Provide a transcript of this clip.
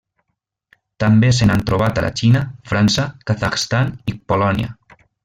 També se n'ha trobat a la Xina, França, Kazakhstan i Polònia.